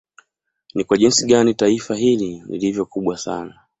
Ni kwa jinsi gani Taifa hili lilivyo kubwa sana